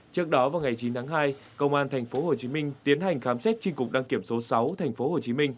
trước đó vào ngày chín tháng hai công an tp hcm tiến hành khám xét tri cục đăng kiểm số sáu tp hcm